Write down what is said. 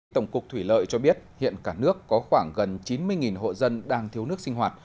tổng cục thủy lợi cho biết hiện cả nước có khoảng gần chín mươi hộ dân đang thiếu nước sinh hoạt